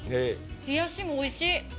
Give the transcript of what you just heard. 冷やしもおいしい。